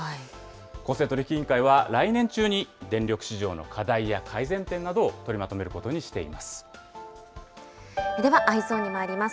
公正取引委員会は、来年中に電力市場の課題や改善点などを取りまでは、Ｅｙｅｓｏｎにまいります。